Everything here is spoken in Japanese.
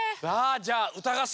じゃあうたがっ